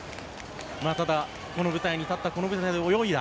ただ、この舞台に立ったこの舞台で泳いだ。